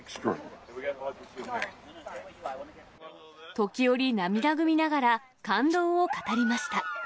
時折、涙ぐみながら、感動を語りました。